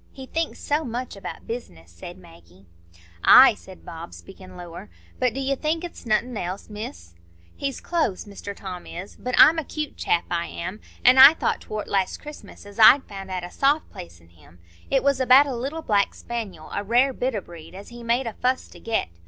"He thinks so much about business," said Maggie. "Ay," said Bob, speaking lower; "but do you think it's nothin' else, Miss? He's close, Mr Tom is; but I'm a 'cute chap, I am, an' I thought tow'rt last Christmas as I'd found out a soft place in him. It was about a little black spaniel—a rare bit o' breed—as he made a fuss to get.